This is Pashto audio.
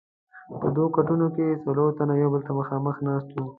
په دوو کټونو کې څلور تنه یو بل ته مخامخ ناست وو.